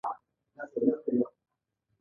د خلکو سپما هم په بانکونو کې ساتل کېږي